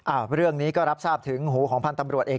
เรื่องนี้ก็รับทราบถึงหูของพันธ์ตำรวจเอก